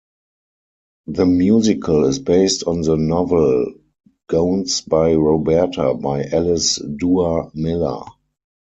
The musical is based on the novel "Gowns by Roberta" by Alice Duer Miller.